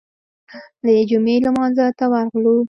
د جمعې لمانځه ته ورغلو.